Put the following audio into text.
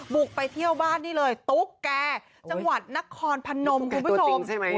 บุกไปเที่ยวบ้านนี่เลยตุ๊กแก่จังหวัดนครพนมคุณผู้ชม